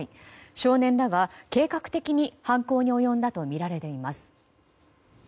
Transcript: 少年らは計画的に犯行に及んだとみられています。